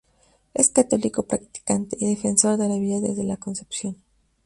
Es católico practicante y defensor de la vida desde la concepción.